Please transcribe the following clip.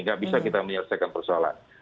nggak bisa kita menyelesaikan persoalan